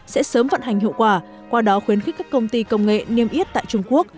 sẽ sớm vận hành hiệu quả qua đó khuyến khích các công ty công nghệ niêm yết tại trung quốc